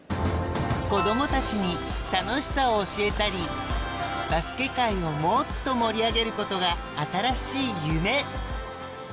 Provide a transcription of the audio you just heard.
子どもたちに楽しさを教えたりバスケ界をもっと盛り上げることが新しい夢！